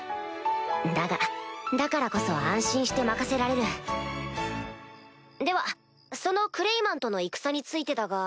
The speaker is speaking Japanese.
だがだからこそ安心して任せられるではそのクレイマンとの戦についてだが。